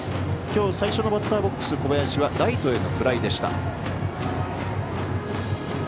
きょう最初のバッターボックス小林はライトへのフライでした。